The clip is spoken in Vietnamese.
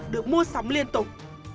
được mua sắm liên tục